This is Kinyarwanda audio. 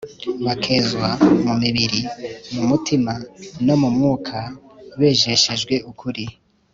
bakezwa mu mibiri, mu mutima no mu mwuka, bejeshejwe ukuri